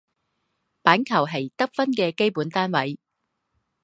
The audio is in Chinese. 板球是得分的基本单位。